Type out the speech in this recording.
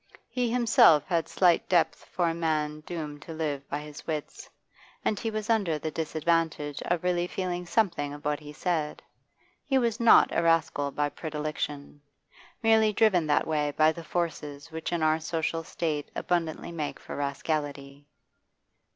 He himself had slight depth for a man doomed to live by his wits, and he was under the disadvantage of really feeling something of what he said. He was not a rascal by predilection; merely driven that way by the forces which in our social state abundantly make for rascality.